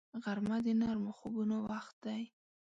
غرمه د نرمو خوبونو وخت دی